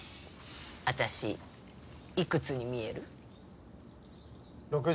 私いくつに見える？